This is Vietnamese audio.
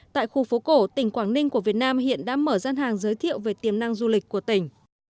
tại khu phố cổ tỉnh quảng ninh của việt nam hiện đã mở gian hàng giới thiệu về tiềm năng du lịch của tỉnh